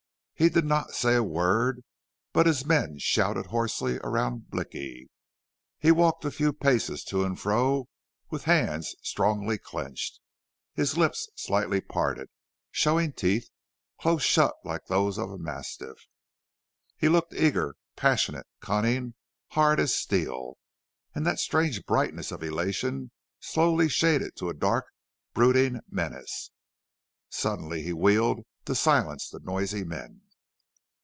He did not say a word, but his men shouted hoarsely around Blicky. He walked a few paces to and fro with hands strongly clenched, his lips slightly parted, showing teeth close shut like those of a mastiff. He looked eager, passionate, cunning, hard as steel, and that strange brightness of elation slowly shaded to a dark, brooding menace. Suddenly he wheeled to silence the noisy men.